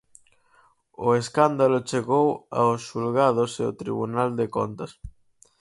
O escándalo chegou aos xulgados e o Tribunal de Contas.